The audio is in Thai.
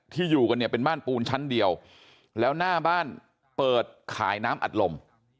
อยู่กันเนี่ยเป็นบ้านปูนชั้นเดียวแล้วหน้าบ้านเปิดขายน้ำอัดลม